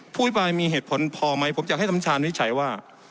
ผู้อภิปรายมีเหตุผลพอไหมผมอยากให้น้ำชาญวิจัยว่า